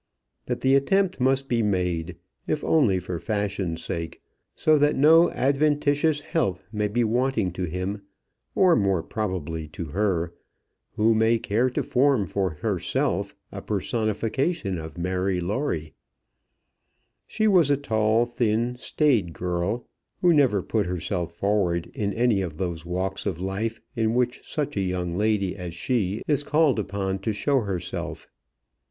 But the attempt must be made, if only for fashion sake, so that no adventitious help may be wanting to him, or more probably to her, who may care to form for herself a personification of Mary Lawrie. She was a tall, thin, staid girl, who never put herself forward in any of those walks of life in which such a young lady as she is called upon to show herself.